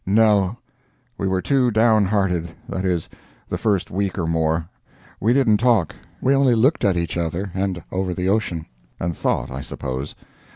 "No; we were too down hearted—that is, the first week or more. We didn't talk—we only looked at each other and over the ocean." And thought, I suppose.